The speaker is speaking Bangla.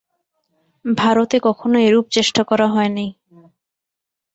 ভারতে কখনও এরূপ চেষ্টা করা হয় নাই।